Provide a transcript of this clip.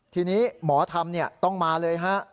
ทีนี้หมอธรรมต้องมาเลยฮะ